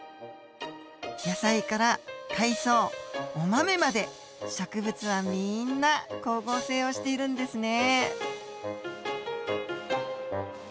野菜から海藻お豆まで植物はみんな光合成をしているんですね。